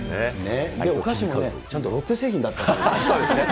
お菓子もちゃんとロッテ製品だったという。